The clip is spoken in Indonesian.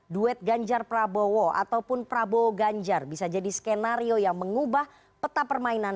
duet ganjar prabowo ataupun prabowo ganjar bisa jadi skenario yang mengubah peta permainan